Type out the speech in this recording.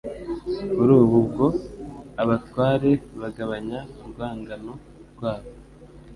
Kuri ubu bwo, abatware bagabanya urwangano rwa bo.